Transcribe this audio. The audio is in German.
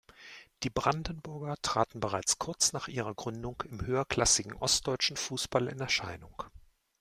Die Brandenburger traten bereits kurz nach ihrer Gründung im höherklassigen ostdeutschen Fußball in Erscheinung.